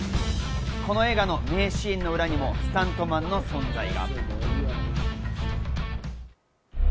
この映画の名シーンの裏にもスタントマンの存在が。